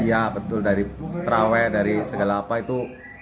iya betul dari terawih dari segala apa itu